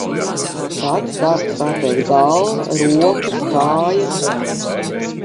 Tad sāka sāpēt galva, rokas, kājas.